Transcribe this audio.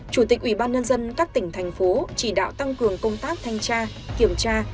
bốn chủ tịch ubnd các tỉnh thành phố chỉ đạo tăng cường công tác thanh tra kiểm tra